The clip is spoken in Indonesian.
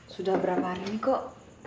sudah berapa hari ini kok